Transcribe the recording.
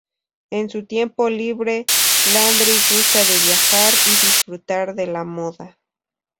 En su tiempo libre, Landry gusta de viajar y disfrutar de la moda.